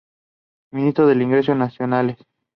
Ministro de Ingresos Nacionales.